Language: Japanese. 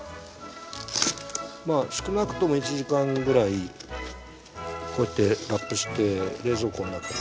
まあ少なくとも１時間ぐらいこうやってラップして冷蔵庫の中に。